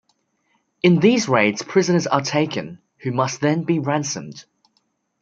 In these raids prisoners are taken, who must then be ransomed.